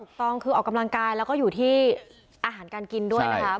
ถูกต้องคือออกกำลังกายแล้วก็อยู่ที่อาหารการกินด้วยนะครับ